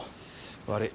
悪い。